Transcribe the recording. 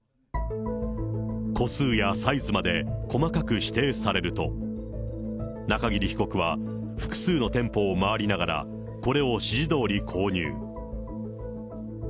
個数やサイズまで細かく指定されると、中桐被告は複数の店舗を回りながら、これを指示どおり購入。